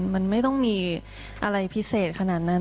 มันไม่ต้องมีอะไรพิเศษขนาดนั้น